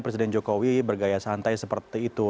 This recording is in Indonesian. presiden jokowi bergaya santai seperti itu